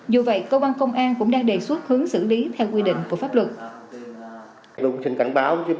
dù vậy cơ quan công an cũng đang đề xuất hướng xử lý theo quy định của pháp luật